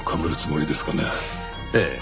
ええ。